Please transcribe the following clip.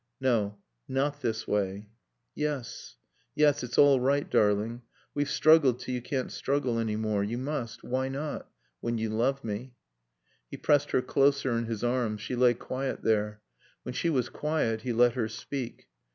"No. Not this way." "Yes yes. It's all right, darling. We've struggled till we can't struggle any more. You must. Why not? When you love me." He pressed her closer in his arms. She lay quiet there. When she was quiet he let her speak.